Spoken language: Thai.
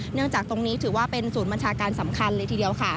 จากตรงนี้ถือว่าเป็นศูนย์บัญชาการสำคัญเลยทีเดียวค่ะ